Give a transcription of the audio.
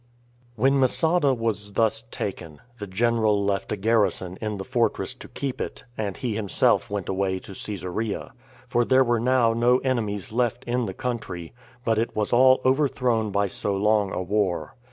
1. When Masada was thus taken, the general left a garrison in the fortress to keep it, and he himself went away to Cesarea; for there were now no enemies left in the country, but it was all overthrown by so long a war.